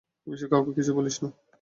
এ বিষয়ে কাউকে কিছু বলিস না।